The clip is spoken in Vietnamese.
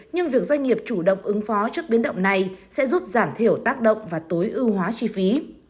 nhưng việc doanh nghiệp chủ động ứng phó trước biến động này sẽ giúp giảm thiểu tác động và tối ưu hóa chi phí